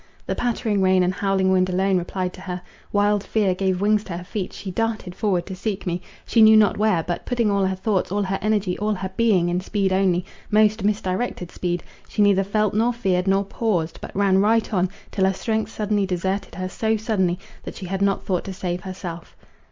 The pattering rain and howling wind alone replied to her. Wild fear gave wings to her feet; she darted forward to seek me, she knew not where; but, putting all her thoughts, all her energy, all her being in speed only, most misdirected speed, she neither felt, nor feared, nor paused, but ran right on, till her strength suddenly deserted her so suddenly, that she had not thought to save herself.